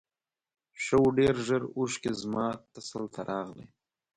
ښه و ډېر ژر اوښکې زما تسل ته راغلې.